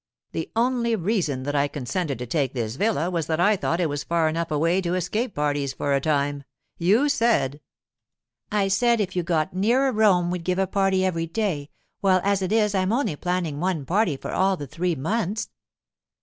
'The only reason that I consented to take this villa was that I thought it was far enough away to escape parties for a time. You said——' 'I said if you got nearer Rome we'd give a party every day, while as it is I'm only planning one party for all the three months.